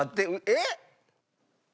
えっ！